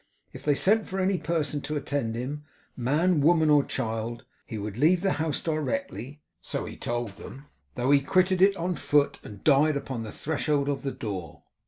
If they sent for any person to attend him, man, woman, or child, he would leave the house directly (so he told them), though he quitted it on foot, and died upon the threshold of the door.